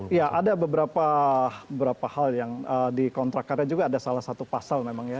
iya ada beberapa hal yang di kontrak karya juga ada salah satu pasal memang ya